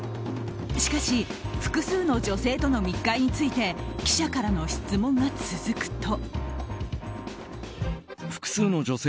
しかし複数の女性との密会について記者からの質問が続くと。